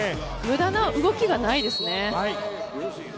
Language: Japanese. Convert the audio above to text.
無駄な動きがないですね。